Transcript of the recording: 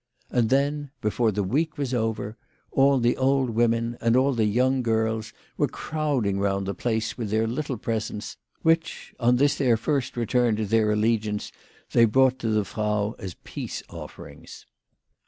And then, before the week was over, all the old women and all the young girls were crowding round the place with little presents which, on this their first return to their allegiance, they brought to the Frau as peace offerings.